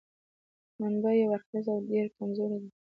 منبع یو اړخیزه او ډېره کمزورې ده.